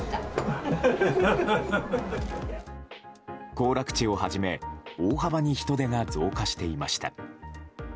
行楽地をはじめ大幅に人出が増加していました。